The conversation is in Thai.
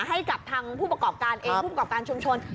ให้กับทางผู้ประกอบการเองผู้ประกอบการชุมชน